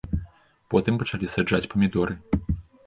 Потым пачалі саджаць памідоры.